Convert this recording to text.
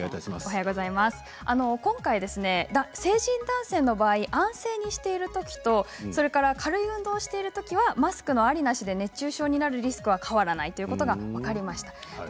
今回、成人男性の場合安静にしているときと軽い運動をしているときはマスクのありなしで熱中症になるリスクは変わらないということが分かりました。